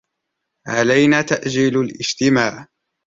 علينا تأجيل الاجتماع.